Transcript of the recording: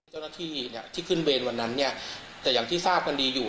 เจ้าหน้าที่เนี่ยที่ขึ้นเวรวันนั้นเนี่ยแต่อย่างที่ทราบกันดีอยู่